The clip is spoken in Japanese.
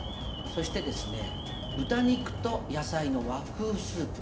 そして豚肉と野菜の和風スープ。